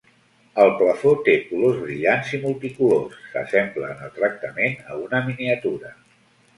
El plafó té colors brillants i multicolors, s'assembla en el tractament a una miniatura.